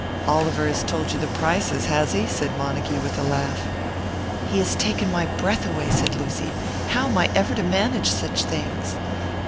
"Oliver has told you the prices, has he?" said Montague, with a laugh. "He has taken my breath away," said Lucy. "How am I ever to manage such things?"